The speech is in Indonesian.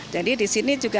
jadi di sini juga